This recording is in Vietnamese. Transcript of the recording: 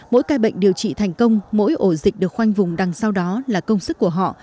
mỗi ca bệnh điều trị thành công mỗi ổ dịch được khoanh vùng đằng sau đó là công sức của họ